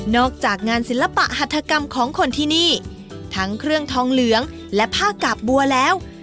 อกจากงานศิลปะหัฐกรรมของคนที่นี่ทั้งเครื่องทองเหลืองและผ้ากาบบัวแล้ว